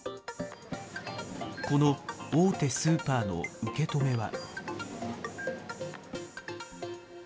この大手スーパーの受け止めは。